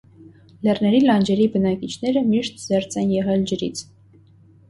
Լեռների լանջերի բնակիչները միշտ զերծ են եղել ջրից։